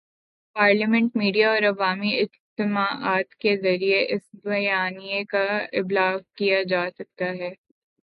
Parliament, media اور عوامی اجتماعات کے ذریعے اس بیانیے کا ابلاغ کیا جا سکتا ہے۔